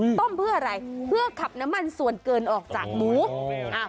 ต้มเพื่ออะไรเพื่อขับน้ำมันส่วนเกินออกจากหมูอ่า